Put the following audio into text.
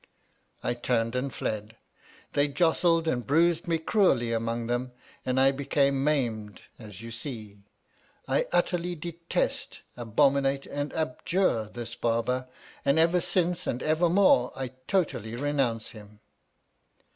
I turned and fled. They jostled and bruised me cruelly among them, and I became maimed, as you see. I utterly detest, abominate, and ab jure this Barber, and ever since and ever more I totally renounce him.